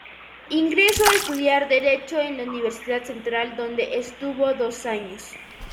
Ingresó a estudiar Derecho en la Universidad Central, donde estuvo dos años.